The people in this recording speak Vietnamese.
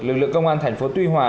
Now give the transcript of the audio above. lực lượng công an thành phố tuy hòa